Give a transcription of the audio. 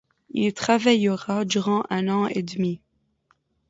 Il y travaillera durant un an et demi.